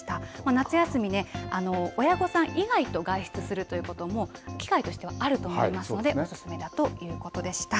夏休みね親御さん以外と外出することも機会としてはあると思いますのでおすすめだということでした。